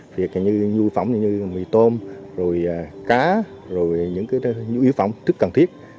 việc như nhu yếu phẩm như mì tôm cá những nhu yếu phẩm rất cần thiết